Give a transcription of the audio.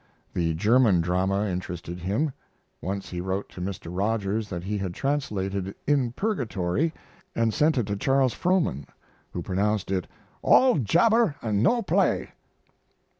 The German drama interested him. Once he wrote to Mr. Rogers that he had translated "In Purgatory" and sent it to Charles Frohman, who pronounced it "all jabber and no play."